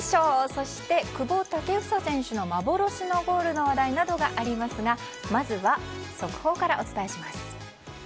そして、久保建英選手の幻のゴールの話題などがありますがまずは、速報からお伝えします。